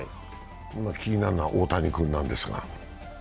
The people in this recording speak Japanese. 気になるのは大谷君なんですが。